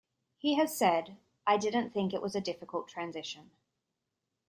He has said:I didn't think it was a difficult transition.